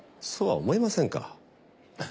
そうは思いませんか？